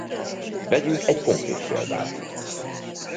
Vegyünk egy konkrét példát.